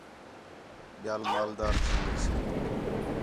ٻِیال مال دار تھی ویسوں